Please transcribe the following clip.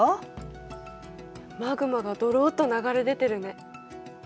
マグマがドロッと流れ出てるね。